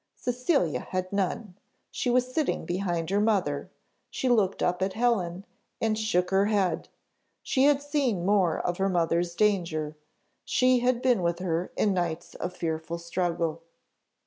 Cecilia had none; she was sitting behind her mother; she looked up at Helen, and shook her head; she had seen more of her mother's danger, she had been with her in nights of fearful struggle.